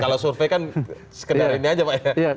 kalau survei kan sekedar ini aja pak ya